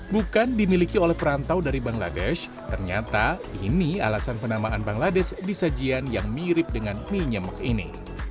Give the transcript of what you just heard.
bukan dimiliki oleh perantau dari bangladesh ternyata ini alasan penamaan bangladesh di sajian yang mirip dengan mie nyemek ini